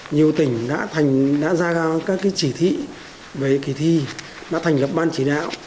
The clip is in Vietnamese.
nhiều tỉnh đã ra các chỉ thị về kỳ thi đã thành lập ban chỉ đạo